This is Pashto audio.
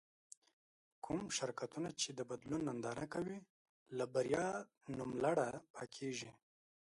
کوم شرکتونه چې د بدلون ننداره کوي له بريا نوملړه پاکېږي.